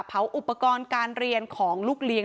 อุปกรณ์การเรียนของลูกเลี้ยง